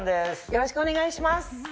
よろしくお願いします。